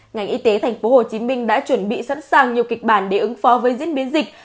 ngành y tế thành phố hồ chí minh đã chuẩn bị sẵn sàng nhiều kịch bản để ứng phó với diễn biến dịch